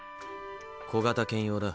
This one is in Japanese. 小型犬用だ。